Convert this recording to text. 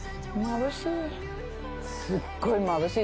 まぶしい。